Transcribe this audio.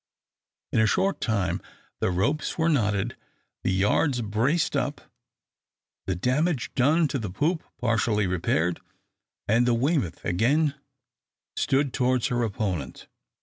In a short time the ropes were knotted, the yards braced up, the damage done to the poop partially repaired, and the "Weymouth" again stood towards her opponent.